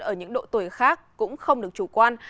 ở những độ tuổi khác cũng không được chủ quan